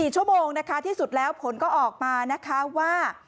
๔ชั่วโมงที่สุดแล้วผลก็ออกมาว่า